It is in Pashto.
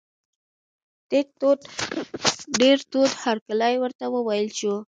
ډېر تود هرکلی ورته وویل شو.